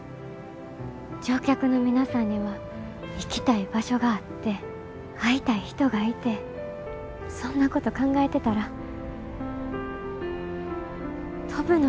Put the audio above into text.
乗客の皆さんには行きたい場所があって会いたい人がいてそんなこと考えてたら飛ぶのが楽しくなってきました。